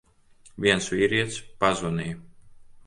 Viens vīrietis pazvanīja.